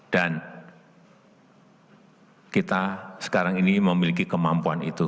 dan kita sekarang ini memiliki kemampuan itu